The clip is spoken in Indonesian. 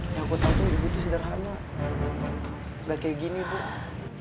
yang aku tau tuh ibu tuh sederhana gak kayak gini tuh